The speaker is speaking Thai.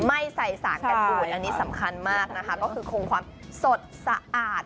ไม่ใส่สารการ์ตูนอันนี้สำคัญมากนะคะก็คือคงความสดสะอาด